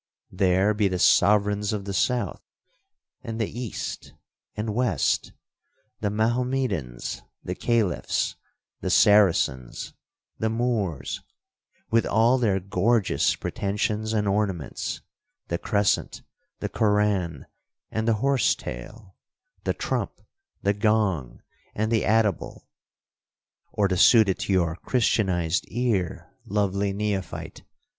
There be the sovereigns of the South, and East, and West, the Mahommedans, the Caliphs, the Saracens, the Moors, with all their gorgeous pretensions and ornaments—the crescent, the Koran, and the horse tail—the trump, the gong, and the atabal, (or to suit it to your Christianised ear, lovely Neophyte!)